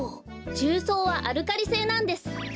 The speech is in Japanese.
重曹はアルカリ性なんです。